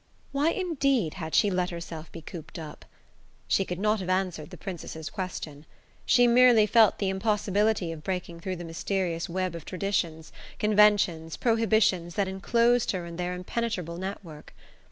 Why indeed had she let herself be cooped up? She could not have answered the Princess's question: she merely felt the impossibility of breaking through the mysterious web of traditions, conventions, prohibitions that enclosed her in their impenetrable net work.